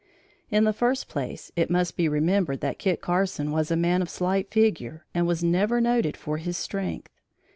In the first place, it must be remembered that Kit Carson was a man of slight figure and was never noted for his strength.